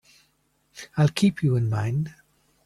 I'll keep you in mind.